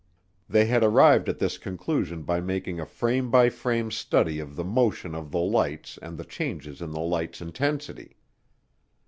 They had arrived at this conclusion by making a frame by frame study of the motion of the lights and the changes in the lights' intensity.